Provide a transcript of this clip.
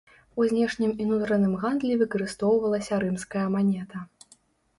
У знешнім і нутраным гандлі выкарыстоўвалася рымская манета.